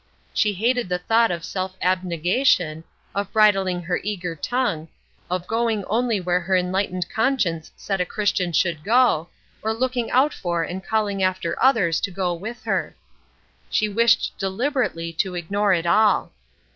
She hated the thought of self abnegation, of bridling her eager tongue, of going only where her enlightened conscience said a Christian should go, of looking out for and calling after others to go with her. She wished deliberately to ignore it all.